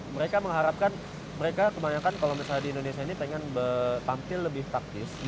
mereka mengharapkan mereka kebanyakan kalau misalnya di indonesia ini pengen tampil lebih taktis